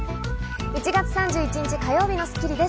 １月３１日、火曜日の『スッキリ』です。